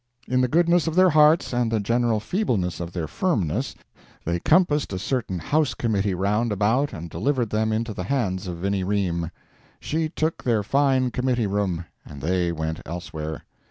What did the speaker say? In the goodness of their hearts, and the general feebleness of their firmness, they compassed a certain House Committee round about and delivered them into the hands of Vinnie Ream. She took their fine committee room, and they went elsewhere.